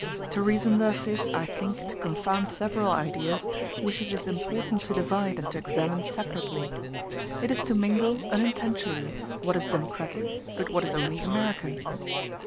To reason thus is, I think, to confound several ideas which it is important to divide and to examine separately: it is to mingle, unintentionally, what is democratic with what is only American.